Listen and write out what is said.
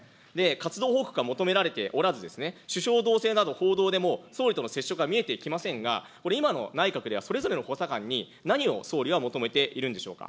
活動報告が求められておらずですね、首相動静など報道でも、総理との接触が見えてきませんが、これ、今の内閣ではそれぞれの補佐官に何を総理は求めているんでしょうか。